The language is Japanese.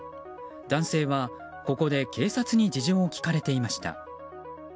男性は、ここで警察に事情を聴かれていました。